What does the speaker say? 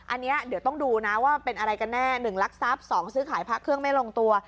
อันนี้เดี๋ยวต้องดูนะว่าเป็นอะไรกันแน่๑ลักทรัพย์๒ซื้อขายพระเครื่องไม่ลงตัว